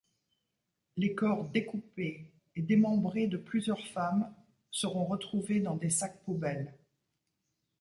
Les corps découpés et démembrés de plusieurs femmes seront retrouvées dans des sacs poubelles.